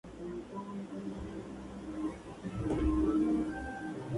El grado de obstrucción varía de un paciente a otro.